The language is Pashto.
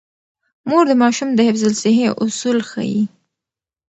مور د ماشوم د حفظ الصحې اصول ښيي.